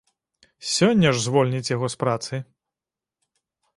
Сёння ж звольніць яго з працы.